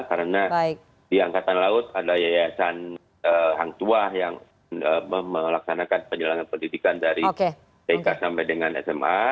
karena di angkatan laut ada yayasan angkua yang melaksanakan penyelenggaraan pendidikan dari tk sampai dengan sma